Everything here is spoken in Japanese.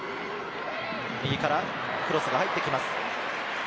右からクロスが入ってきます。